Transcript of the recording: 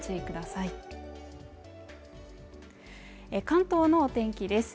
関東のお天気です